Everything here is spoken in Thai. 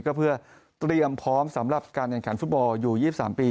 ก็เพื่อเตรียมพร้อมสำหรับการแข่งขันฟุตบอลอยู่๒๓ปี